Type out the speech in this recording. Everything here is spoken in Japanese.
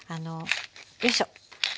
よいしょ。